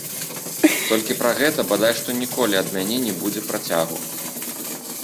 Толькі пра гэта бадай што ніколі ад мяне не будзе працягу.